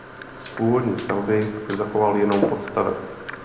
Z původní stavby se zachoval jenom podstavec.